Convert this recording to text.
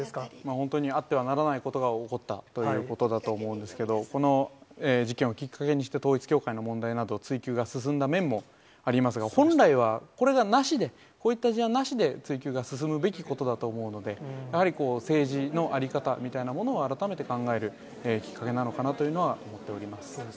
本当にあってはならないことが起こったということだと思うんですけど、この事件をきっかけにして、統一教会の問題など、追及が進んだ面もありますが、本来はこれがなしで、こういった事案なしで追及が進むべきことだと思うので、やはり政治の在り方みたいなのを改めて考えるきっかけなのかなというのは思っております。